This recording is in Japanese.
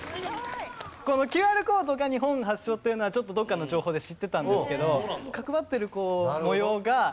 このＱＲコードが日本発祥というのはどこかの情報で知ってたんですけど。